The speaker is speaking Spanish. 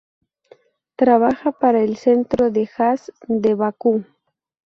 Trabaja para el Centro de Jazz de Bakú.